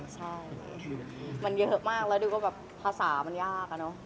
ใช่มันเยอะมากแล้วดูก็แบบภาษามันยากอะเนาะ